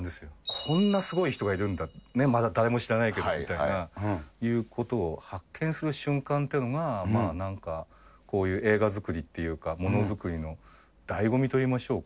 こんなすごい人がいるんだ、まだ誰も知らないけどみたいな、ということを発見する瞬間というのが、なんかこういう映画作りっていうか、モノづくりのだいご味